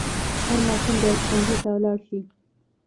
هر ماشوم باید ښوونځي ته ولاړ سي.